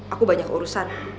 aku banyak urusan